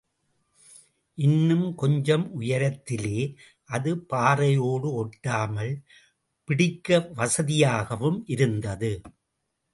இன்னும் கொஞ்சம் உயரத்திலே அது பாறையோடு ஒட்டாமல் பிடிக்க வசதி யாகவும் இருந்தது.